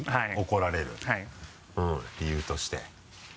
怒られる理由として。